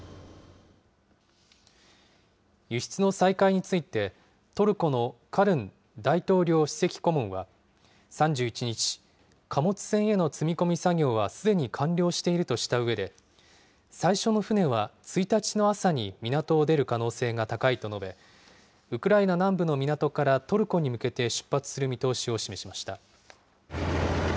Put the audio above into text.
輸出の再開について、トルコのカルン大統領首席顧問は３１日、貨物船への積み込み作業はすでに完了しているとしたうえで、最初の船は１日の朝に港を出る可能性が高いと述べ、ウクライナ南部の港からトルコに向けて出発する見通しを示しました。